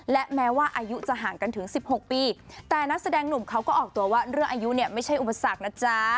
และแม้ว่าอายุจะห่างกันถึง๑๖ปีแต่นักแสดงหนุ่มเขาก็ออกตัวว่าเรื่องอายุเนี่ยไม่ใช่อุปสรรคนะจ๊ะ